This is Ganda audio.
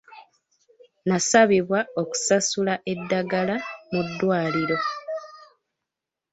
Nasabibwa okusasula eddagala mu ddwaliro.